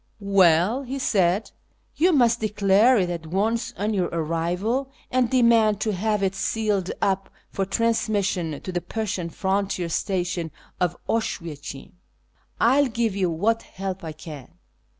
'•' AYell," he said, " you must declare it at once on your arrival, and demand to have it sealed up for transmission to the Prussian frontier station of Oswiecim. I will give you what help I can."